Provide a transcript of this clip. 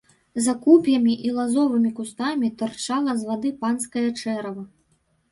За куп'ямі і лазовымі кустамі тырчала з вады панскае чэрава.